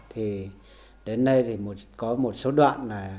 thì đến nay thì có một số đoạn này